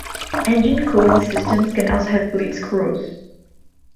Engine cooling systems can also have bleed screws.